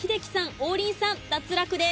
王林さん脱落です。